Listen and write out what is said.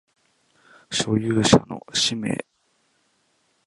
所有者の氏名